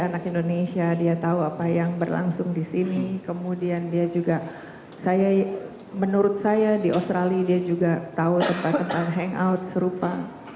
anak indonesia dia tahu apa yang berlangsung di sini kemudian dia juga saya menurut saya di australia dia juga tahu tempat tempat hangout serupa